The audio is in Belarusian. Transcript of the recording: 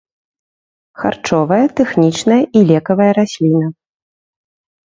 Харчовая, тэхнічная і лекавая расліна.